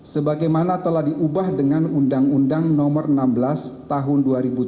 sebagaimana telah diubah dengan undang undang nomor enam belas tahun dua ribu tujuh belas